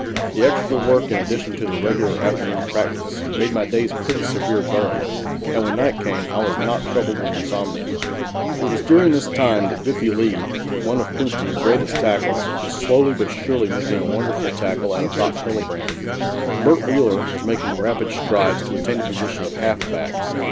The extra work in addition to the regular afternoon practice, made my days pretty severe going and when night came I was not troubled with insomnia. It was during this time that Biffy Lea, one of Princeton's greatest tackles, was slowly but surely making a wonderful tackle out of Doc Hillebrand. Bert Wheeler was making rapid strides to attain the position of halfback.